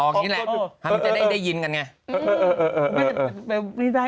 อ๋อนี่แหละใช่ไหมครับได้ยินกันไงเออ